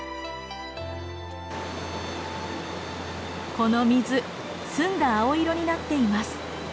この水澄んだ青色になっています。